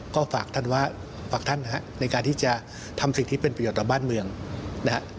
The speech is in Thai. ก็ฝากท่านว่าฝากท่านนะฮะในการที่จะทำสิ่งที่เป็นประโยชน์ต่อบ้านเมืองนะฮะ